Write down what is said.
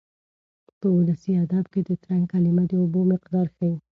په ولسي ادب کې د ترنګ کلمه د اوبو مقدار ښيي.